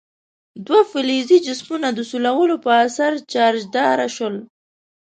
دوه فلزي جسمونه د سولولو په اثر چارجداره شول.